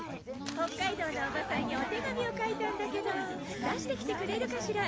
北海道のおばさんにお手紙を書いたんだけど出してきてくれるかしら？